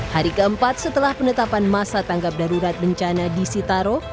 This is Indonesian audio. hari keempat setelah penetapan masa tanggap darurat bencana di sitaro